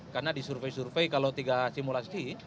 karena disurvey survey kalau tiga simulasi